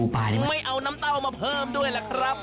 ป่านี่ไม่เอาน้ำเต้ามาเพิ่มด้วยล่ะครับ